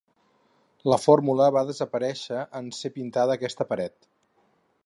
La fórmula va desaparèixer en ser pintada aquesta paret.